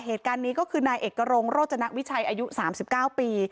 เหตุการณ์นี้ก็คือนายเอกรงโรจนวิชัยอายุ๓๙ปี